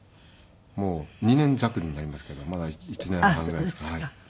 もう２年弱になりますけどまだ１年半ぐらいですか。